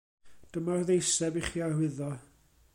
Dyma'r ddeiseb i chi arwyddo.